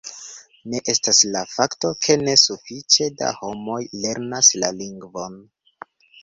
Ne estas la fakto, ke ne sufiĉe da homoj lernas la lingvon.